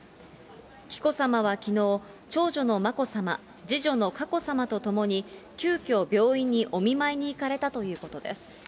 紀子さまはきのう、長女の眞子さま、次女の佳子さまと共に、急きょ、病院にお見舞いに行かれたということです。